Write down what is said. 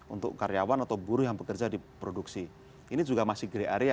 untuk karyawan atau buruh yang bekerja di produksi ini juga masih grey area